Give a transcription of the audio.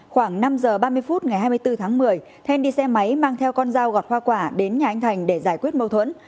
khoảng năm giờ ba mươi phút ngày hai mươi bốn tháng một mươi then đi xe máy mang theo con dao gọt hoa quả đến nhà anh thành để giải quyết mâu thuẫn